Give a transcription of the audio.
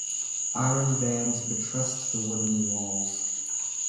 Iron bands buttressed the wooden walls.